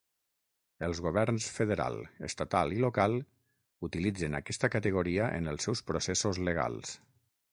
Els governs federal, estatal i local utilitzen aquesta categoria en els seus processos legals.